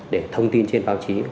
để thông tin trên báo chí